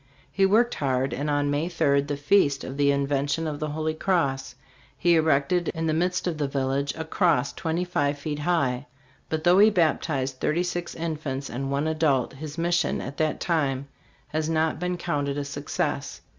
He worked hard, and on May 3, the feast of the Invention of the Holy Cross, he erected in the midst of the village a cross twenty five feet high ; but though he baptised thirty five infants and one adult, his mission at that time has not been counted a success.